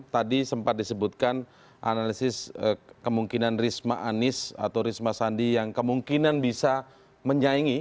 tadi sempat disebutkan analisis kemungkinan risma anies atau risma sandi yang kemungkinan bisa menyaingi